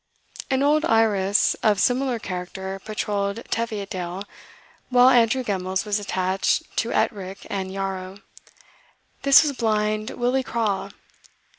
An old Irus of similar character patrolled Teviotdale, while Andrew Gemmells was attached to Ettrick and Yarrow. This was Blind Willie Craw.